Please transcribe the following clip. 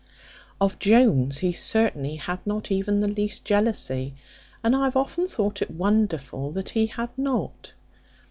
Of Jones he certainly had not even the least jealousy; and I have often thought it wonderful that he had not.